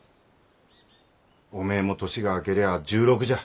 おめえも年が明けりゃあ１６じゃ。